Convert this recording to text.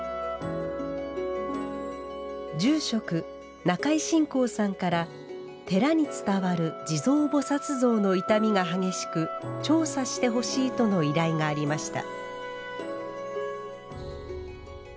住職中井真孝さんから寺に伝わる地蔵菩薩像の傷みが激しく調査してほしいとの依頼がありました。